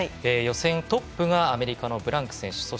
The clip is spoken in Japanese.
予選トップがアメリカのブランク選手。